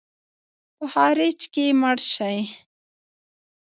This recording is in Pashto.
په خارج کې مړ سې.